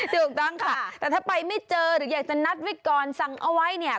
ถูกต้องค่ะแต่ถ้าไปไม่เจอหรืออยากจะนัดไว้ก่อนสั่งเอาไว้เนี่ย